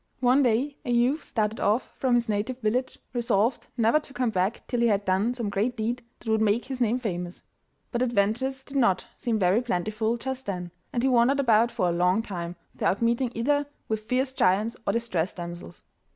One day a youth started off from his native village, resolved never to come back till he had done some great deed that would make his name famous. But adventures did not seem very plentiful just then, and he wandered about for a long time without meeting either with fierce giants or distressed damsels.